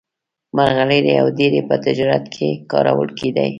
مرغلرې او ډبرې په تجارت کې کارول کېدې.